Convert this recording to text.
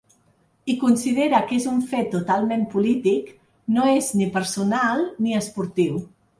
I considera que és un fet totalment polític, no és ni personal ni esportiu.